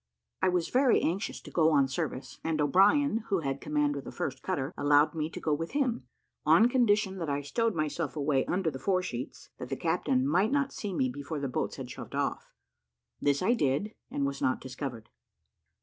I was very anxious to go on service, and O'Brien, who had command of the first cutter, allowed me to go with him, on condition that I stowed myself away under the fore sheets, that the captain might not see me before the boats had shoved off. This I did, and was not discovered.